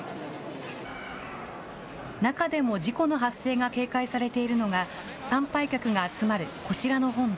中でも事故の発生が警戒されているのが、参拝客が集まるこちらの本堂。